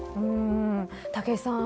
武井さん